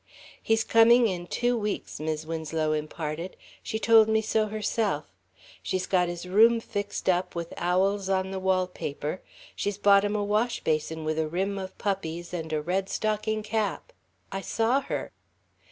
"He's coming in two weeks," Mis' Winslow imparted; "she told me so herself. She's got his room fixed up with owls on the wall paper. She's bought him a washbasin with a rim of puppies, and a red stocking cap. I saw her."